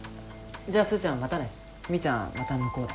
じゃあスーちゃんまたね。みーちゃんまた向こうで。